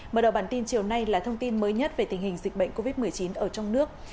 mở đầu bản tin chiều nay là thông tin mới nhất về tình hình dịch bệnh covid một mươi chín ở trong nước